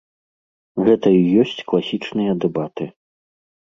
Гэта і ёсць класічныя дэбаты.